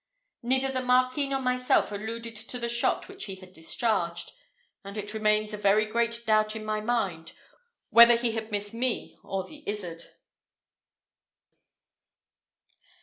Neither the Marquis nor myself alluded to the shot which he had discharged, and it remains a very great doubt in my mind whether he had missed me or the izzard.